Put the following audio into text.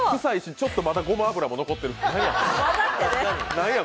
ちょっとまだ、ごま油も残ってる。